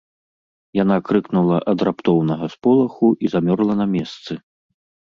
Яна крыкнула ад раптоўнага сполаху і замёрла на месцы.